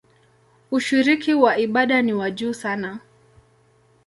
Ushiriki wa ibada ni wa juu sana.